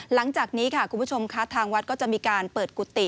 หลังจากนี้ค่ะคุณผู้ชมค่ะทางวัดก็จะมีการเปิดกุฏิ